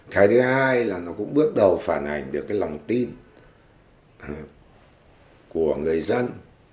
cái thứ hai là nó cũng bước đầu phản hành được cái lòng tin của người dân